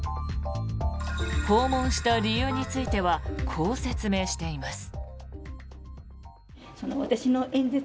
訪問した理由についてはこう説明しています。